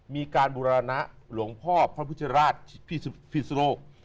มีการบูรณะหลวงพ่อพระพุทธราชพิศโลก